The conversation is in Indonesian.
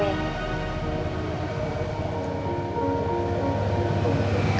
oh iya masih nak